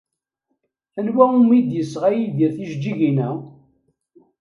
Anwa umi d-yesɣa Yidir tijeǧǧigin-a?